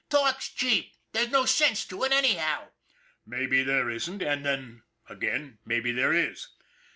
Talk's cheap. There's no sense to it, anyhow." " Maybe there isn't, and then again maybe there is.